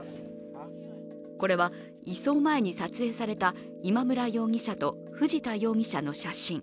これは、移送前に撮影された今村容疑者と藤田容疑者の写真。